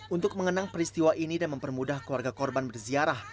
untuk mengenang peristiwa ini dan mempermudah keluarga korban berziarah